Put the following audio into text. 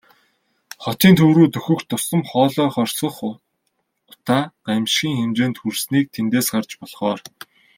Хотын төв рүү дөхөх тусам хоолой хорсгох утаа гамшгийн хэмжээнд хүрснийг тэндээс харж болохоор.